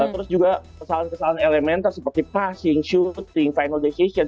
terus juga kesalahan kesalahan elementer seperti passing syuting final decision